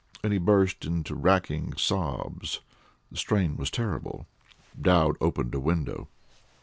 _" and he burst into racking sobs. The strain was terrible. Dowd opened a window.